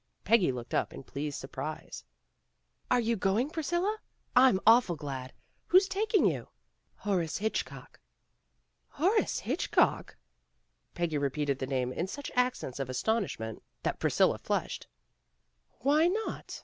Peggy looked up in pleased surprise. "Are you going, Priscilla? I'm awful glad. Who 's taking you f '' "Horace Hitchcock." "Horace Hitchcock!" Peggy repeated the name in such accents of astonishment that 68 PEGGY RAYMOND'S WAY Priscilla flushed. ''Why not!"